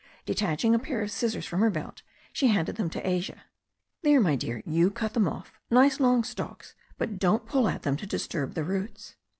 Detaching a pair of scissors from her belt, she handed them to Asia. "There, my dear, you cut them off, nice long stalks, but don't pull at them to disturb the roots."